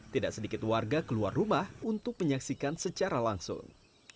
tidak sedikit warga keluar rumah untuk menyaksikan secara langsung